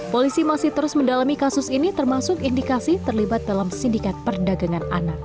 polisi masih terus mendalami kasus ini termasuk indikasi terlibat dalam sindikat perdagangan anak